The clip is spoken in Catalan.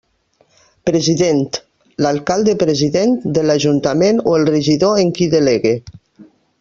President: l'alcalde-president de l'Ajuntament o el regidor em qui delegue.